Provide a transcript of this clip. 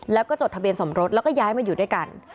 แล้วก็จดทะเบียนสมรสแล้วก็ย้ายมาอยู่ด้วยกัน